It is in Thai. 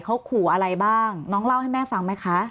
เขาขู่อะไรบ้างน้องเล่าให้แม่ฟังไหมคะ